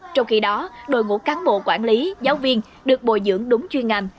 trong khi đó đội ngũ cán bộ quản lý giáo viên được bồi dưỡng đúng chuyên ngành